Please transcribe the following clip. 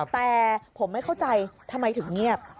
แต่ผมไม่เข้าใจทำไมถึงเงียบ